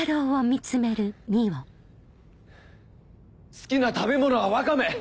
好きな食べ物はワカメ。